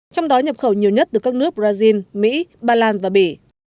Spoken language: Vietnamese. trong đó nhập khẩu nhiều nhất được các nước brazil mỹ bà lan và bỉ